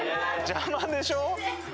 邪魔でしょ？ねえ。